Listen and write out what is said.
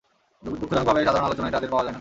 দুঃখজনকভাবে, সাধারণ আলোচনায় তাদের পাওয়া যায় না।